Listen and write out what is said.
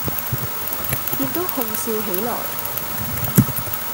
便都哄笑起來。